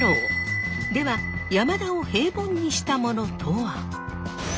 では山田を平凡にしたものとは？